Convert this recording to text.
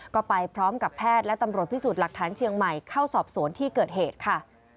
ก็ไปพร้อมกับแพทย์และตำรวจพิสูจน์หลักฐานเชียงใหม่เข้าสอบสวนที่เกิดเหตุค่ะ